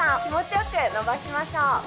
気持ちよくのばしましょう。